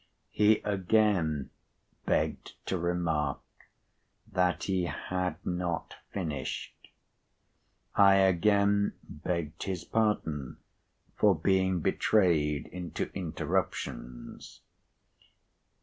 He again begged to remark that he had not finished. I again begged his pardon for being betrayed into interruptions.